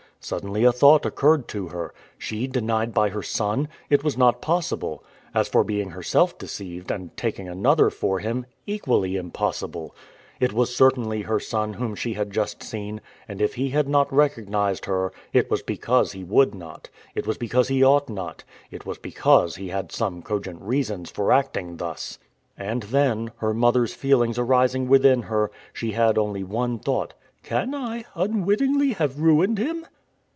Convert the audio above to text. Suddenly a thought occurred to her. She denied by her son! It was not possible. As for being herself deceived, and taking another for him, equally impossible. It was certainly her son whom she had just seen; and if he had not recognized her it was because he would not, it was because he ought not, it was because he had some cogent reasons for acting thus! And then, her mother's feelings arising within her, she had only one thought "Can I, unwittingly, have ruined him?"